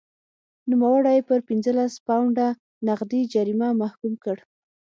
نوموړی یې پر پنځلس پونډه نغدي جریمې محکوم کړ.